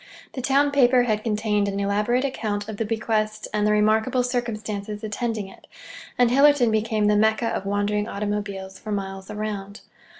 The town paper had contained an elaborate account of the bequest and the remarkable circumstances attending it; and Hillerton became the Mecca of wandering automobiles for miles around.